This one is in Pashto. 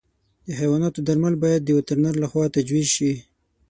د حیواناتو درمل باید د وترنر له خوا تجویز شي.